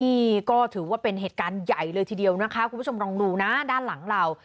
นี่ก็ถือว่าเป็นเหตุการณ์ใหญ่เลยทีเดียวนะคะคุณผู้ชมลองดูนะด้านหลังเรา